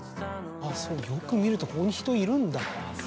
よく見るとここに人いるんだ。